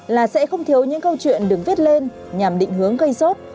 là sẽ không thiếu những câu chuyện đứng viết lên nhằm định hướng cây sốt